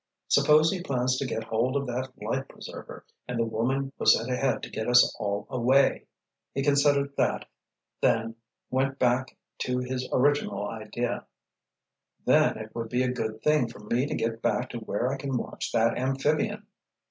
Suppose he plans to get hold of that life preserver, and the woman was sent ahead to get us all away—" He considered that, then went back to his original idea, "Then it would be a good thing for me to get back to where I can watch that amphibian."